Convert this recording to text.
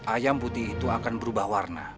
ayam putih itu akan berubah warna